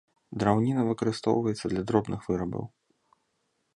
Драўніна выкарыстоўваецца для дробных вырабаў.